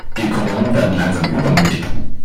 Die Ökonomen werden langsam übermütig.